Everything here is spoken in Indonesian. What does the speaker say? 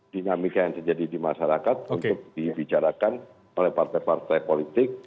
dinamika yang terjadi di masyarakat untuk dibicarakan oleh partai partai politik